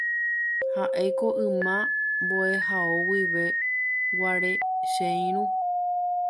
Ha'éko yma mbo'ehao guive guare che irũ.